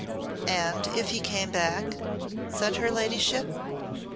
"And if he came back?" said her ladyship.